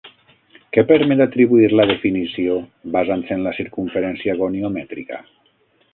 Què permet atribuir la definició basant-se en la circumferència goniomètrica?